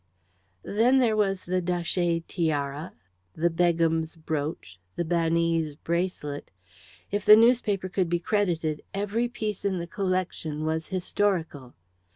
Then there was the Datchet Tiara, the Begum's Brooch, the Banee's Bracelet; if the newspaper could be credited, every piece in the collection was historical.